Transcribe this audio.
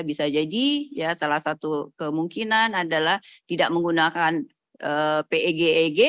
bisa jadi salah satu kemungkinan adalah tidak menggunakan peg eg